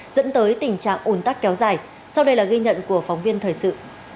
dẫn tới tình trạng ồn tắc kéo dài sau đây là ghi nhận của phóng viên thời sự